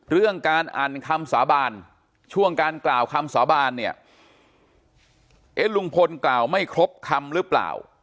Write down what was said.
เรื่องการอ่านคำสาบานช่วงการกล่าวคำสาบานเนี่ยเอ๊ะลุงพลกล่าวไม่ครบคำหรือเปล่า